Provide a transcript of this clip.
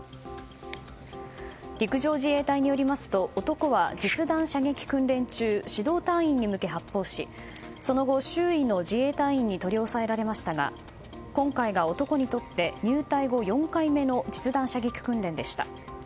陸上自衛隊によりますと男は実弾射撃訓練中指導隊員に向け発砲しその後、周囲の自衛隊員に取り押さえられましたが今回が男にとって入隊後４回目の実弾射撃訓練でした。